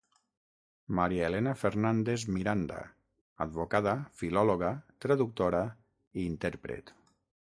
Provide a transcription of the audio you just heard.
Maria Elena Fernández-Miranda, advocada, filòloga, traductora i intèrpret.